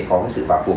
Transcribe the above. có cái sự phạm phục